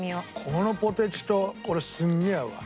このポテチとこれすげえ合うわ。